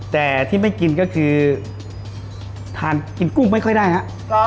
แต่ที่ไม่กินก็คือทานกินกุ้งไม่ค่อยได้ครับ